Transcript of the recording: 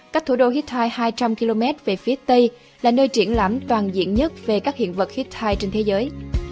cách thủ đô hittite hai trăm linh km về phía tây là nơi triển lãm toàn diện nhất về các hiện vật hittite trên thế giới